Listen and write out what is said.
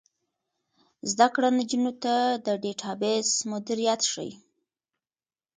زده کړه نجونو ته د ډیټابیس مدیریت ښيي.